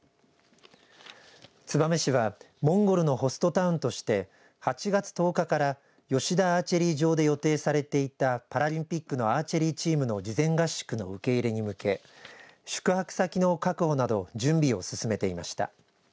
燕市はモンゴルのホストタウンとして８月１０日から吉田アーチェリー場で予定されていたパラリンピックのアーチェリーチームの事前合宿の受け入れに向け宿泊先の確保など準備を進めていました。